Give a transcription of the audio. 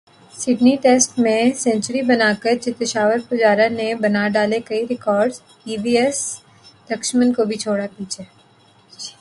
Sydney test میں century بناکر چتیشور پجارا نے بناڈالے کئی records, V V S Laxman کو بھی چھوڑا پیچھے